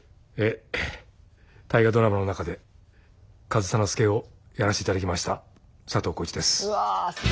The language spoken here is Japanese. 「大河ドラマ」の中で上総介をやらせていただきました佐藤浩市です。